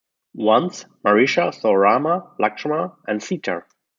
Once, Maricha saw Rama, Lakshmana and Sita.